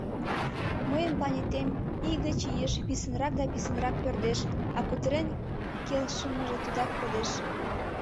Мыйын планетем ий гыч ийыш писынрак да писынрак пӧрдеш, а кутырен келшымыже тудак кодеш.